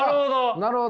なるほど。